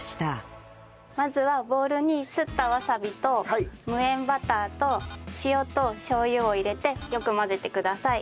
まずはボウルにすったわさびと無塩バターと塩としょう油を入れてよく混ぜてください。